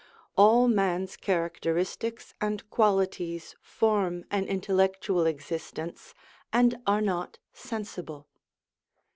All man's characteristics and qualities form an intellectual existence, and are not sensible.